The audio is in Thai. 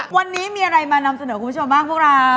วันนี้มีอะไรมานำเสนอคุณผู้ชมบ้างพวกเรา